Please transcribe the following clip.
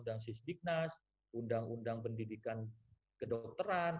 undang sisdiknas undang undang pendidikan kedokteran